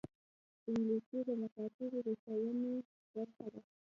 انګلیسي د مکاتبو د ښوونې برخه ده